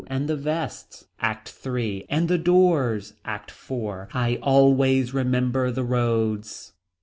And the vests. ACT III. And the doors. ACT IV. I always remember the roads.